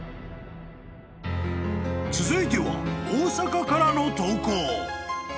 ［続いては大阪からの投稿］